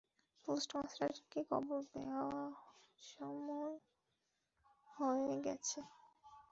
পোস্টমাস্টারকে কবর দেওয়ার সময় হয়ে গেছে।